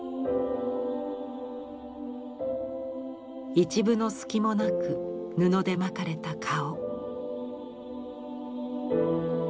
一分の隙もなく布で巻かれた顔。